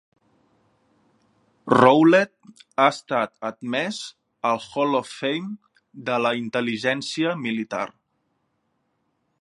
Rowlett ha estat admès al Hall of Fame de la intel·ligència militar.